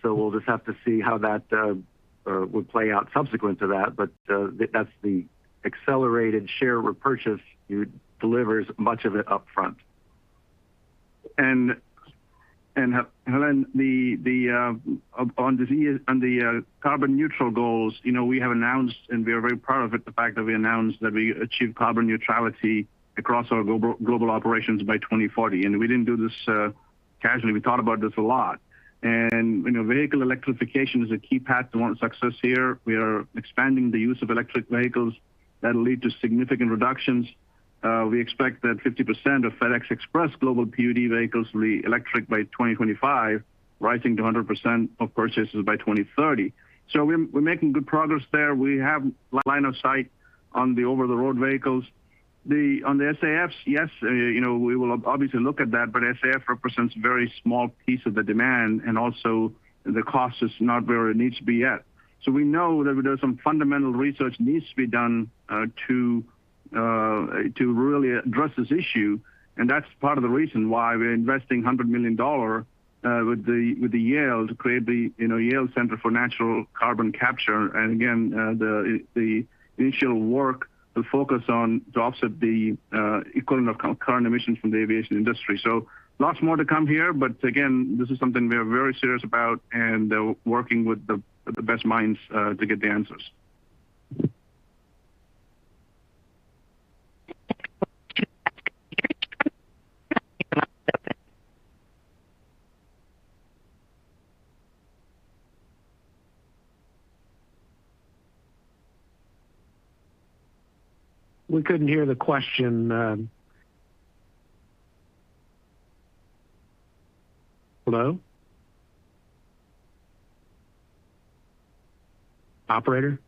so we'll just have to see how that will play out subsequent to that. That's the accelerated share repurchase delivers much of it upfront. Helane, on the carbon neutral goals, you know, we have announced, and we are very proud of it, the fact that we announced that we achieved carbon neutrality across our global operations by 2040. We didn't do this casually. We thought about this a lot. You know, vehicle electrification is a key path towards success here. We are expanding the use of electric vehicles that'll lead to significant reductions. We expect that 50% of FedEx Express global PUD vehicles will be electric by 2025, rising to 100% of purchases by 2030. We're making good progress there. We have line of sight on the over-the-road vehicles. On the SAFs, yes, you know, we will obviously look at that, but SAF represents a very small piece of the demand, and also the cost is not where it needs to be yet. We know that there's some fundamental research needs to be done to really address this issue, and that's part of the reason why we're investing $100 million with Yale to create the Yale Center for Natural Carbon Capture. The initial work will focus on to offset the equivalent of current emissions from the aviation industry. Lots more to come here. Again, this is something we are very serious about and working with the best minds to get the answers. We couldn't hear the question. Hello? Operator?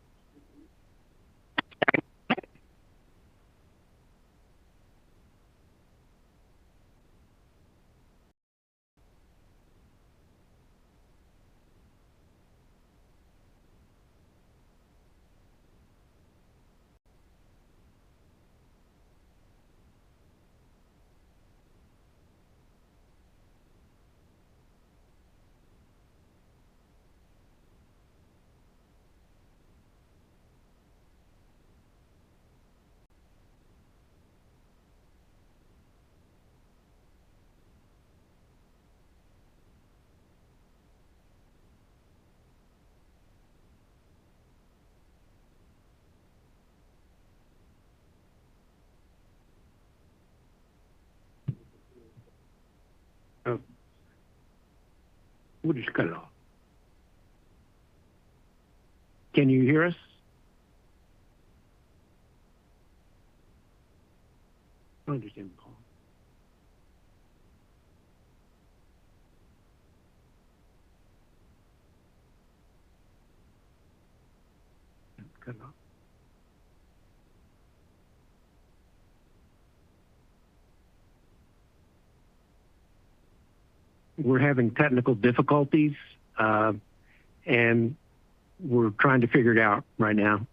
Oh. We just cut off. Can you hear us? I understand the call. Cut off. We're having technical difficulties and we're trying to figure it out right now.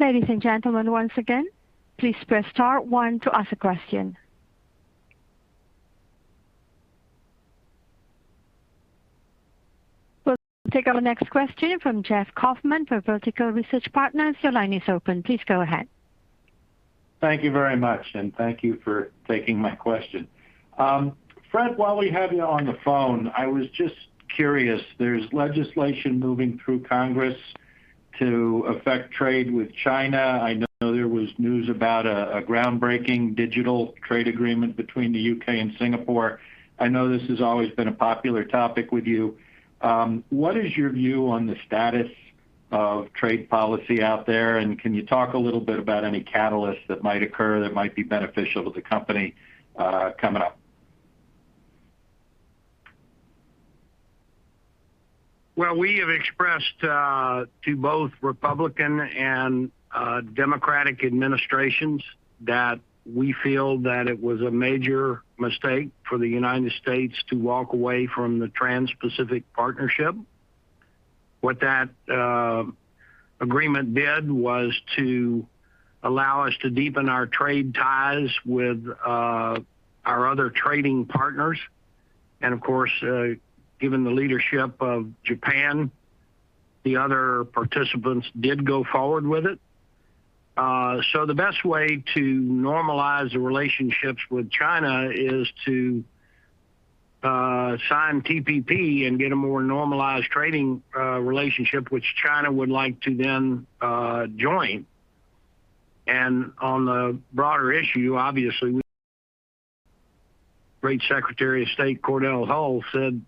Ladies and gentlemen, once again, please press star one to ask a question. We'll take our next question from Jeff Kauffman for Vertical Research Partners. Your line is open. Please go ahead. Thank you very much, and thank you for taking my question. Fred, while we have you on the phone, I was just curious. There's legislation moving through Congress to affect trade with China. I know there was news about a groundbreaking digital trade agreement between the U.K. and Singapore. I know this has always been a popular topic with you. What is your view on the status of trade policy out there, and can you talk a little bit about any catalysts that might occur that might be beneficial to the company coming up? Well, we have expressed to both Republican and Democratic administrations that we feel that it was a major mistake for the United States to walk away from the Trans-Pacific Partnership. What that agreement did was to allow us to deepen our trade ties with our other trading partners. Of course, given the leadership of Japan, the other participants did go forward with it. So the best way to normalize the relationships with China is to sign TPP and get a more normalized trading relationship which China would like to then join. On the broader issue, obviously, great Secretary of State Cordell Hull said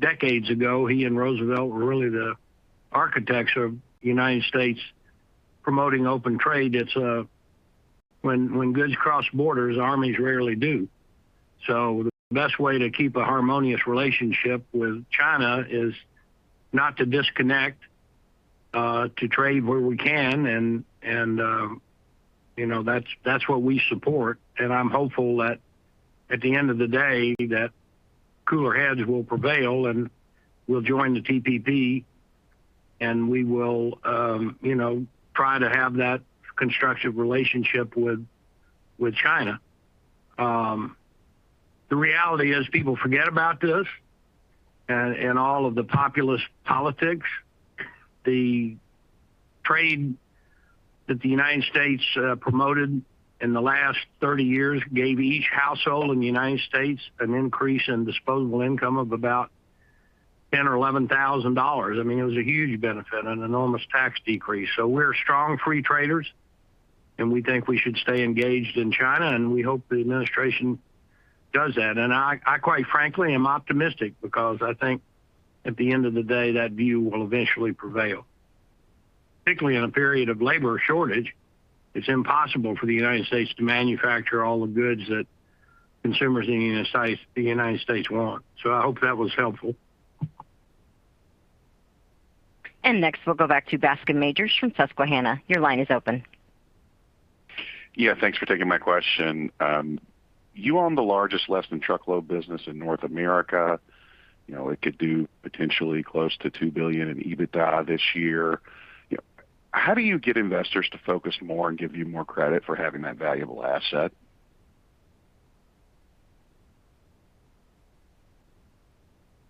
decades ago, he and Roosevelt were really the architects of the United States promoting open trade. When goods cross borders, armies rarely do. So the best way to keep a harmonious relationship with China is not to disconnect, to trade where we can and, you know, that's what we support. I'm hopeful that at the end of the day that cooler heads will prevail and we'll join the TPP and we will, you know, try to have that constructive relationship with China. The reality is people forget about this and all of the populist politics. The trade that the United States promoted in the last 30 years gave each household in the United States an increase in disposable income of about $10,000-$11,000. I mean, it was a huge benefit and an enormous tax decrease. We're strong free traders, and we think we should stay engaged in China, and we hope the administration does that. I quite frankly am optimistic because I think at the end of the day, that view will eventually prevail. Particularly in a period of labor shortage, it's impossible for the United States to manufacture all the goods that consumers in the United States want. I hope that was helpful. Next, we'll go back to Bascome Majors from Susquehanna. Your line is open. Yeah, thanks for taking my question. You own the largest less-than-truckload business in North America. You know, it could do potentially close to $2 billion in EBITDA this year. How do you get investors to focus more and give you more credit for having that valuable asset?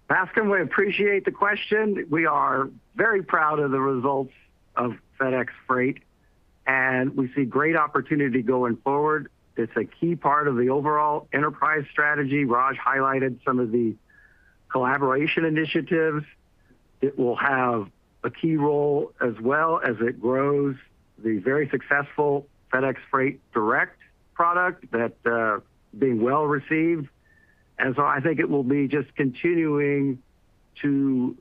Bascome, we appreciate the question. We are very proud of the results of FedEx Freight, and we see great opportunity going forward. It's a key part of the overall enterprise strategy. Raj highlighted some of the collaboration initiatives. It will have a key role as well as it grows the very successful FedEx Freight Direct product that being well-received. I think it will be just continuing to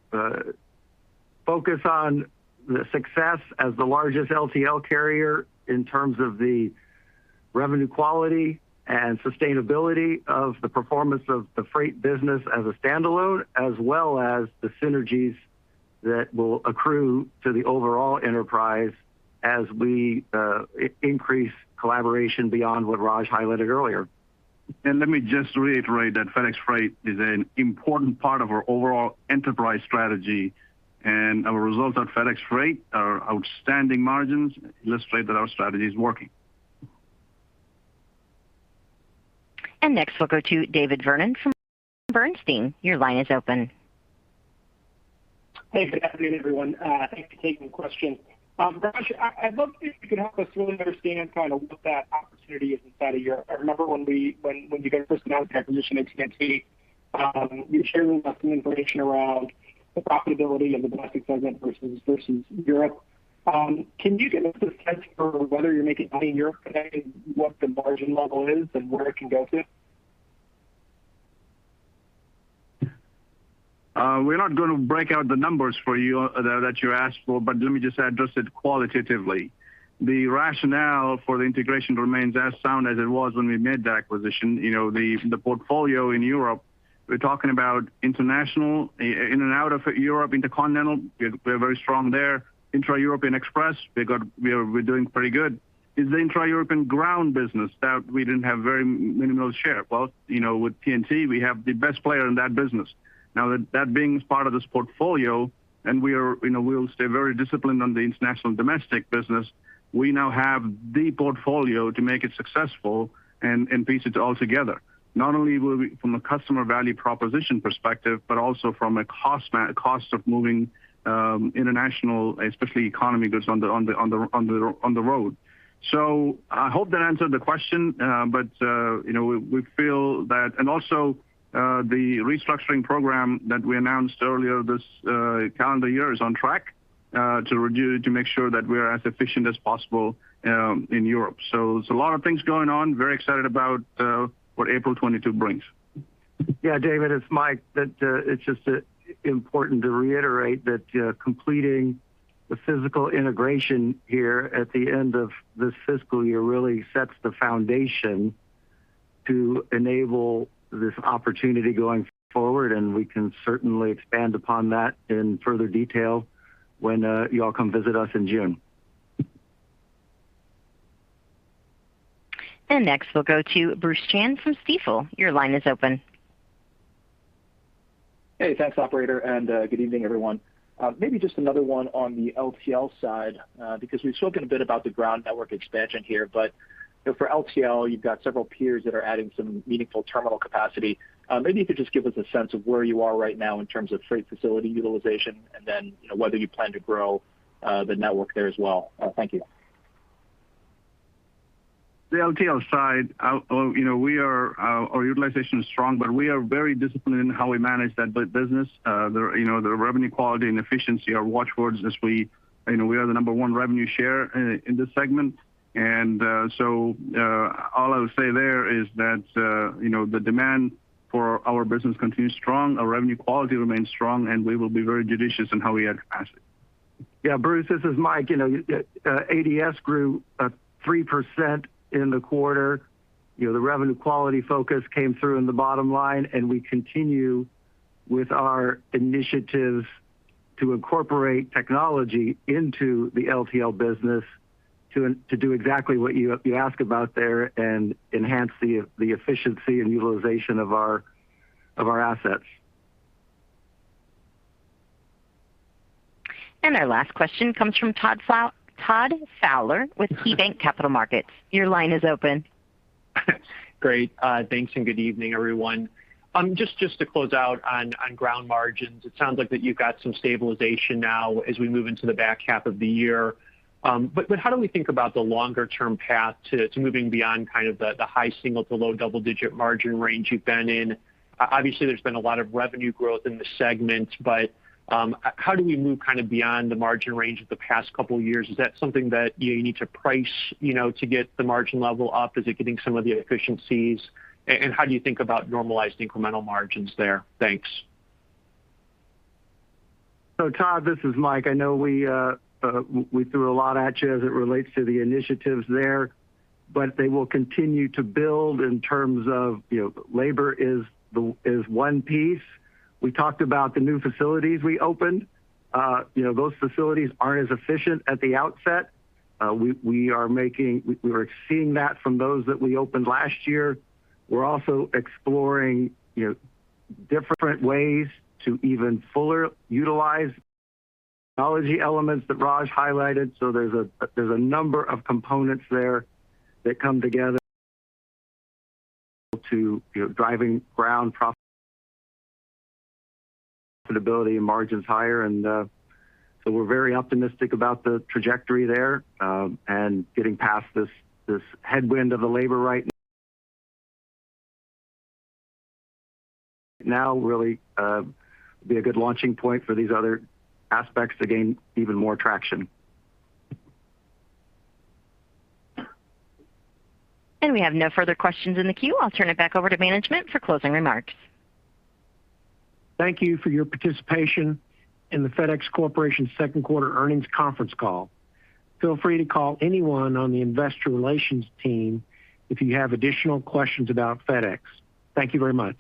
focus on the success as the largest LTL carrier in terms of the revenue quality and sustainability of the performance of the freight business as a standalone, as well as the synergies that will accrue to the overall enterprise as we increase collaboration beyond what Raj highlighted earlier. Let me just reiterate that FedEx Freight is an important part of our overall enterprise strategy. Our results at FedEx Freight are outstanding. Margins illustrate that our strategy is working. Next, we'll go to David Vernon from Bernstein. Your line is open. Hey, good afternoon, everyone. Thank you for taking the question. Raj, I'd love to if you could help us really understand kind of what that opportunity is inside of your. I remember when you guys first announced that acquisition at TNT, you shared with us some information around the profitability of the domestic segment versus Europe. Can you give us a sense for whether you're making money in Europe today, what the margin level is and where it can go to? We're not gonna break out the numbers for you that you asked for, but let me just address it qualitatively. The rationale for the integration remains as sound as it was when we made the acquisition. You know, the portfolio in Europe, we're talking about International, in and out of Europe, intercontinental. We are very strong there. Intra-European express, we're doing pretty good. It's the intra-European Ground business that we didn't have very minimal share. Well, you know, with TNT, we have the best player in that business. Now that being part of this portfolio, and we are, you know, we'll stay very disciplined on the International and domestic business. We now have the portfolio to make it successful and piece it all together. Not only will we from a customer value proposition perspective, but also from a cost of moving International, especially economy goods on the road. I hope that answered the question. You know, we feel that. Also, the restructuring program that we announced earlier this calendar year is on track to make sure that we are as efficient as possible in Europe. There's a lot of things going on. Very excited about what April 2022 brings. Yeah, David, it's Mike. That it's just important to reiterate that completing the physical integration here at the end of this fiscal year really sets the foundation to enable this opportunity going forward, and we can certainly expand upon that in further detail when y'all come visit us in June. Next, we'll go to Bruce Chan from Stifel. Your line is open. Hey, thanks, operator, and good evening, everyone. Maybe just another one on the LTL side, because we've spoken a bit about the ground network expansion here. You know, for LTL, you've got several peers that are adding some meaningful terminal capacity. Maybe you could just give us a sense of where you are right now in terms of freight facility utilization and then, you know, whether you plan to grow the network there as well. Thank you. The LTL side, our utilization is strong, but we are very disciplined in how we manage that business. The revenue quality and efficiency are watch words as we are the number one revenue share in this segment. The demand for our business continues strong, our revenue quality remains strong, and we will be very judicious in how we add capacity. Yeah, Bruce, this is Mike. You know, ADS grew 3% in the quarter. You know, the revenue quality focus came through in the bottom line, and we continue with our initiatives to incorporate technology into the LTL business to do exactly what you ask about there and enhance the efficiency and utilization of our assets. Our last question comes from Todd Fowler with KeyBanc Capital Markets. Your line is open. Great. Thanks, and good evening, everyone. Just to close out on Ground margins. It sounds like you've got some stabilization now as we move into the back half of the year. How do we think about the longer term path to moving beyond kind of the high single- to low double-digit margin range you've been in? Obviously, there's been a lot of revenue growth in the segment. How do we move kind of beyond the margin range of the past couple of years? Is that something that you need to price, you know, to get the margin level up? Is it getting some of the efficiencies? How do you think about normalized incremental margins there? Thanks. Todd, this is Mike. I know we threw a lot at you as it relates to the initiatives there, but they will continue to build in terms of, you know, labor is one piece. We talked about the new facilities we opened. You know, those facilities aren't as efficient at the outset. We are seeing that from those that we opened last year. We're also exploring, you know, different ways to even fuller utilize technology elements that Raj highlighted. There's a number of components there that come together to, you know, driving Ground profit, profitability, and margins higher. We're very optimistic about the trajectory there, and getting past this headwind of the labor right now really be a good launching point for these other aspects to gain even more traction. We have no further questions in the queue. I'll turn it back over to management for closing remarks. Thank you for your participation in the FedEx Corporation second quarter earnings conference call. Feel free to call anyone on the Investor Relations team if you have additional questions about FedEx. Thank you very much.